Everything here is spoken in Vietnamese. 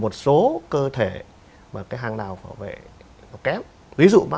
một số cơ thể mà cái hàng rào bảo vệ nó kém